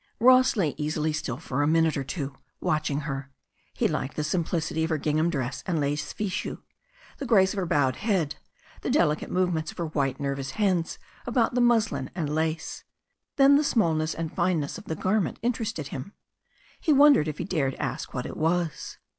Ross lay easily still for a minute or two, watching her. He liked the simplicity of her gingham dress and lace fichu, the grace of her bowed head, the delicate movements of her white nervous hands about the muslin and lace. Then the smallness and fineness of the garment interested him. He wondered if he dared ask what it was.